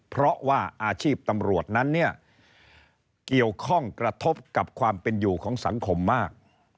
เพราะว่าอาชีพตำรวจนั้นเนี่ยเกี่ยวข้องกระทบกับความเป็นอยู่ของสังคมมาก